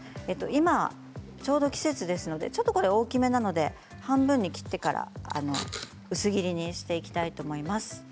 今、ちょうど季節ですのでこれちょっと大きめなので半分に切ってから薄切りにしていきたいと思います。